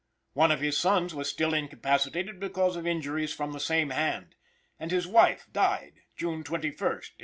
One of his sons was still incapacitated because of injuries from the same hand, and his wife died June 21st, 1865.